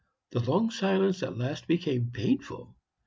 The long silence at last became painful.